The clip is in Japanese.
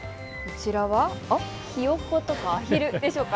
ヒヨコとかアヒルでしょうか。